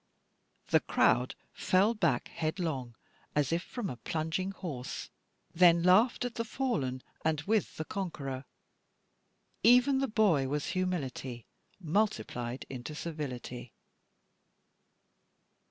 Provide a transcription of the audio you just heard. The crowd fell back headlong, as if from a plunging horse, then laughed at the fallen and with the conqueror. Even the boy was humility multiplied into servility.